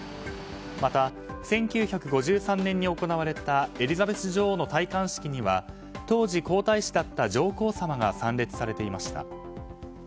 また、１９５３年に行われたエリザベス女王の戴冠式には当時、皇太子だった上皇さまが参列されていました。